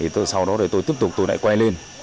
thì sau đó tôi tiếp tục tôi lại quay lên